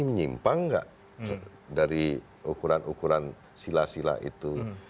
menyimpang nggak dari ukuran ukuran sila sila itu